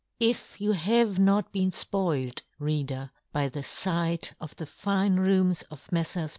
F you have not beenfpoiled, reader, by the fight of the fine rooms of MelTrs.